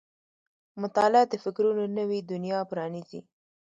• مطالعه د فکرونو نوې دنیا پرانیزي.